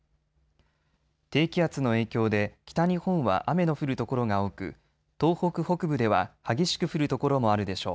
低気圧の影響で北日本は雨の降る所が多く、東北北部では激しく降る所もあるでしょう。